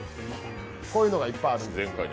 こういうのがいっぱいあるんです。